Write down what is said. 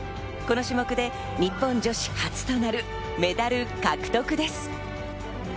この種目で日本女子初となるメダル獲得です。